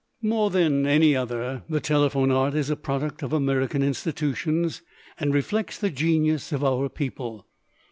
More than any other, the telephone art is a product of American institutions and reflects the genius of our people.